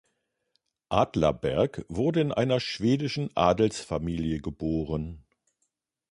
Adlerberg wurde in einer schwedischen Adelsfamilie geboren.